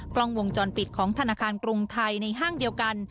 กล้องวงจรปิดของธนาคารกรุงไทยในห้างเดียวกัน